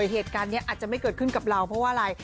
เหตุการณ์นี้อาจจะไม่เกิดขึ้นกับเราเพราะว่าอะไร